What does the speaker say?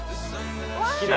きれい。